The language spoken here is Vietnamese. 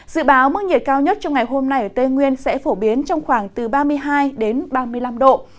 dự báo mức nhiệt cao nhất trong ngày hôm nay ở tây nguyên sẽ phổ biến trong khoảng từ ba mươi hai đến ba mươi năm độ